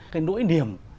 cái nỗi niềm